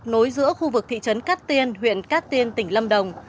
nối giữa khu vực thị trấn cát tiên huyện cát tiên tỉnh lâm đồng